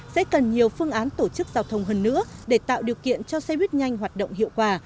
sẽ cần nhiều phương án tổ chức giao thông hơn nữa để tạo điều kiện cho xe buýt nhanh hoạt động hiệu quả